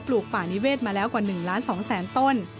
ปลูกป่านิเวศมาแล้วกว่า๑๒๐๐๐๐๐ต้น